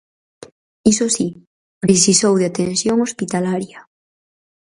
Iso si, precisou de atención hospitalaria.